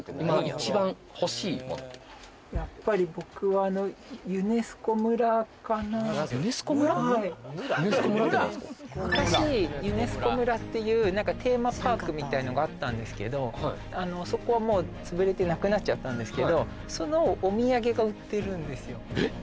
はいちなみになんですけど昔ユネスコ村っていうテーマパークみたいのがあったんですけどそこはもう潰れてなくなっちゃったんですけどそのお土産が売ってるんですよえっ！